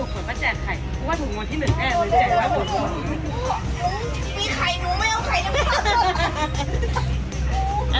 มึกมีไข่นึงไม่ออกไข่งี้